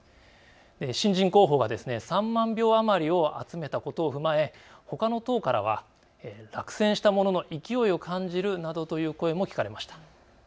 新人候補が３万票余りを集めたことを踏まえほかの党からは落選したものの勢いを感じるなどという声も聞かれました。